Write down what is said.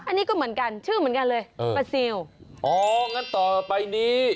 อันนี้ก็เหมือนกันชื่อเหมือนกันเลยเออปลาซิลอ๋องั้นต่อไปนี้